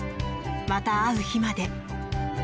また会う日まで。